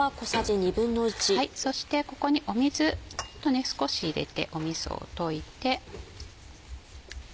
そしてここに水少し入れてみそを溶いて。